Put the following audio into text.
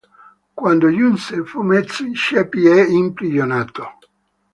Quando giunse, fu messo in ceppi e imprigionato.